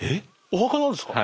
お墓なんですか？